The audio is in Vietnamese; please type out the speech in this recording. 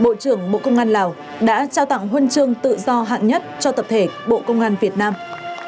bộ trưởng bộ công an lào đã trao tặng huân chương tự do hạng nhất cho tập thể bộ công an việt nam